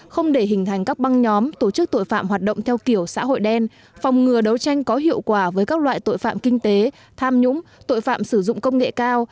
không để hình thành các băng nhóm tổ chức tội phạm hoạt động theo kiểu xã hội đen phòng ngừa đấu tranh có hiệu quả với các loại tội phạm kinh tế tham nhũng tội phạm sử dụng công nghệ cao